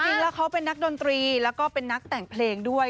จริงแล้วเขาเป็นนักดนตรีแล้วก็เป็นนักแต่งเพลงด้วย